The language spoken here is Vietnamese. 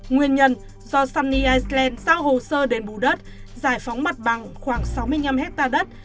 nguyên nhân do sunny iceland giao hồ sơ đền bù đất giải phóng mặt bằng khoảng sáu mươi năm hectare đất